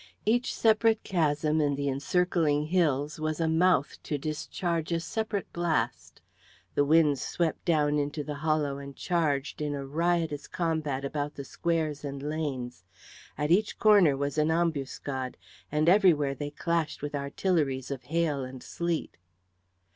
Each separate chasm in the encircling hills was a mouth to discharge a separate blast. The winds swept down into the hollow and charged in a riotous combat about the squares and lanes; at each corner was an ambuscade, and everywhere they clashed with artilleries of hail and sleet.